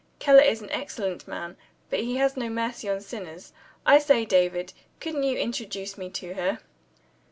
"Keller is an excellent man, but he has no mercy on sinners. I say, David! couldn't you introduce me to her?"